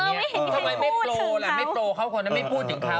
ไม่พูดถึงเขาทำไมไม่โตล่ะไม่โตเขาคนนั้นไม่พูดถึงเขา